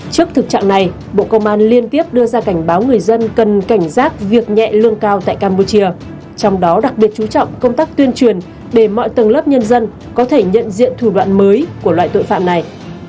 trước thực trạng này bộ công an liên tiếp đưa ra cảnh báo người dân cần cảnh giác việc nhẹ lương cao tại campuchia trong đó đặc biệt chú trọng công tác tuyên truyền để mọi tầng lớp nhân dân có thể nhận diện thủ đoạn mới của loại tội phạm này